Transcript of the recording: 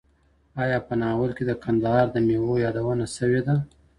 ایا په ناول کې د کندهار د مېوو یادونه شوې ده؟